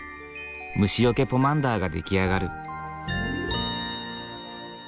虫よけポマンダーが出来上がる。